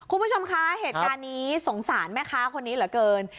คุณผู้ชมคะเหตุการณ์นี้สงสารแม่ค้าคนนี้เหลือเกิน